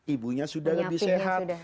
ibunya sudah lebih sehat